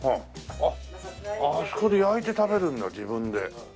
あそこで焼いて食べるんだ自分で。